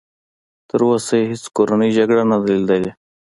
تر اوسه یې هېڅ کورنۍ جګړه نه ده لیدلې.